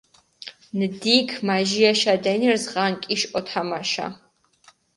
ნდიქჷ მაჟირაშა დენირზ ღანკიში ჸოთამაშა.